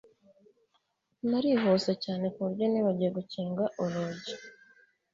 narihuse cyane kuburyo nibagiwe gukinga urugi